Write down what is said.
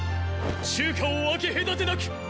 中華を分け隔てなく！